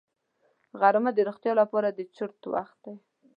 غرمه د روغتیا لپاره د چرت وخت دی